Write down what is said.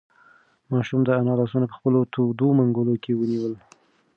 ماشوم د انا لاسونه په خپلو تودو منگولو کې ونیول.